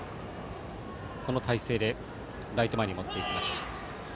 この体勢でライト前に持っていきました。